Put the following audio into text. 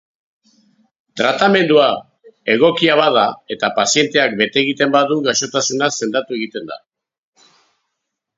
Tratamendua egokia bada eta pazienteak bete egiten badu, gaixotasuna sendatu egiten da.